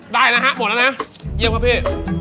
ได้แล้วฮะหมดแล้วนะเยี่ยมครับพี่